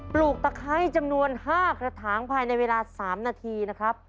ลูกตะไคร้จำนวน๕กระถางภายในเวลา๓นาทีนะครับ